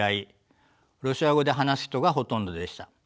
ロシア語で話す人がほとんどでした。